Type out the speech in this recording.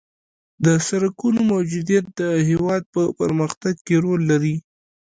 د سرکونو موجودیت د هېواد په پرمختګ کې رول لري